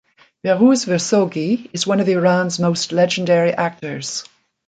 Behrouz Vossoughi is one of Iran's most legendary actors.